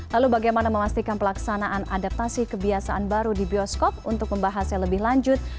lalu bagaimana memastikan pelaksanaan adaptasi kebiasaan baru di bioskop untuk membahasnya lebih lanjut